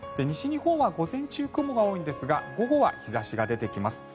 西日本は午前中、雲が多いんですが午後は日差しが出てきます。